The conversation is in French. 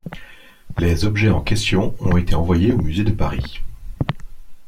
Les objets en question ont été envoyés au musée de Paris.